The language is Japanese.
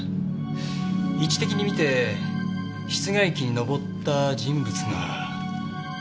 位置的にみて室外機に上った人物が。